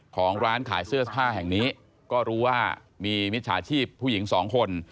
ของร้านขายเสื้อผ้าแห่งนี้ก็รู้ว่ามีมิจฉาชีพผู้หญิงสองคน